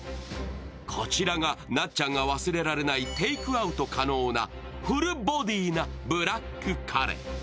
こちらが、なっちゃんが忘れられないテイクアウト可能なフルボディーなブラックカレー。